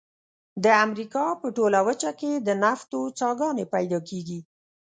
د امریکا په ټوله وچه کې د نفتو څاګانې پیدا کیږي.